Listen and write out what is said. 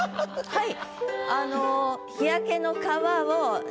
はい。